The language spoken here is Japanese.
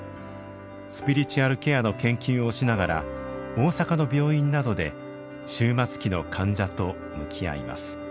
スピリチュアルケアの研究をしながら大阪の病院などで終末期の患者と向き合います。